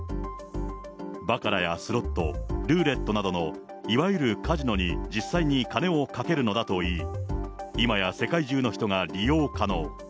バカラやスロット、ルーレットなどのいわゆるカジノに実際に金を賭けるのだといい、今や世界中の人が利用可能。